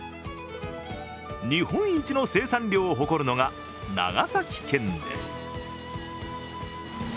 日本一の生産量を誇るのが長崎県です。